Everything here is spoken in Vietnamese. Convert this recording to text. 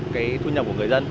cái thu nhập của người dân